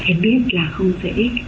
hãy biết là không dễ